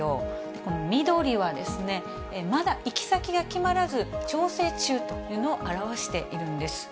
この緑は、まだ行き先が決まらず調整中というのを表しているんです。